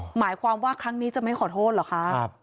หมายความว่าครั้งนี้จะไม่ขอโทษเหรอคะ